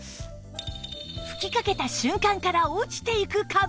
吹きかけた瞬間から落ちていくカビ